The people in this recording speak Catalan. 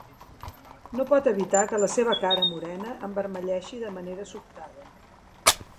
No pot evitar que la seva cara morena envermelleixi de manera sobtada.